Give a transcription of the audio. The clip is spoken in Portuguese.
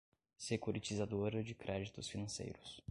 Securitizadora de Créditos Financeiros